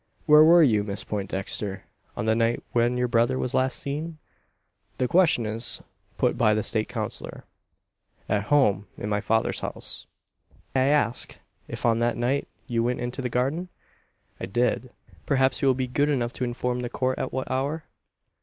"Where were you, Miss Poindexter, on the night when your brother was last seen?" The question is put by the State counsellor. "At home, in my father's house." "May I ask, if on that night you went into the garden?" "I did." "Perhaps you will be good enough to inform the Court at what hour?"